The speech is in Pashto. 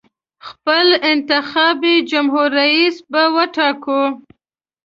خپل انتخابي جمهور رییس به ټاکو.